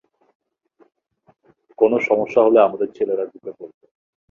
কোনো সমস্যা হলে আমাদের ছেলেরা ঢুকে পড়বে।